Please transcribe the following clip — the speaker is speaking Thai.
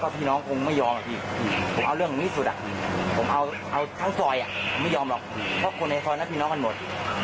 ผมเอาทั้งซอยไม่ยอมหรอกเพราะคนในซอยมันมีน้องกันหมด